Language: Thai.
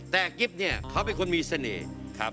แต่กิ๊บเนี่ยเขาเป็นคนมีเสน่ห์ครับ